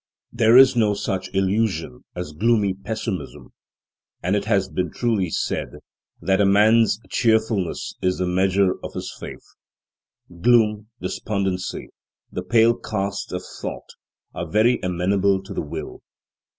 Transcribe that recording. There is no such illusion as gloomy pessimism, and it has been truly said that a man's cheerfulness is the measure of his faith. Gloom, despondency, the pale cast of thought, are very amenable to the will.